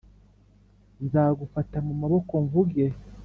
nzagufata mu maboko mvuge